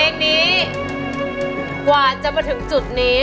เพลงนี้กว่าจะมาถึงจุดนี้